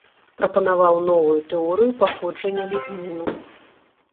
Прапанаваў новую тэорыю паходжання лігніну.